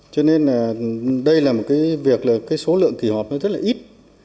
cho nên đây là một việc số lượng kỳ họp rất là ít